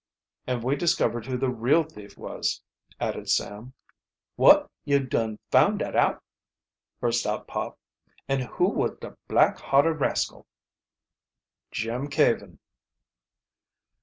"And we discovered who the real thief was," added Sam. "Wot, yo' dun found, dat out!" burst out Pop. "An' who was de black hearted rascal?" "Jim Caven."